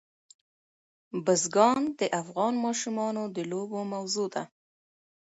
بزګان د افغان ماشومانو د لوبو موضوع ده.